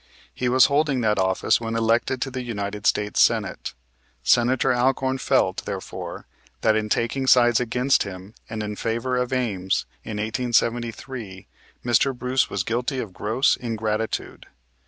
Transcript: He was holding that office when elected to the United States Senate. Senator Alcorn felt, therefore, that in taking sides against him and in favor of Ames in 1873 Mr. Bruce was guilty of gross ingratitude.